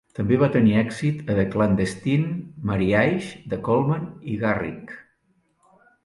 També va tenir èxit a "The Clandestine Marriage" de Colman i Garrick.